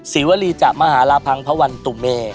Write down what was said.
ซิวลีจับมาหาลาพังภวันตุเม